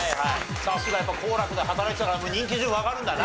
さすがやっぱ幸楽で働いてたから人気順わかるんだね。